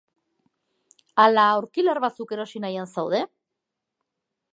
Ala aurkilar batzuk erosi nahian zaude?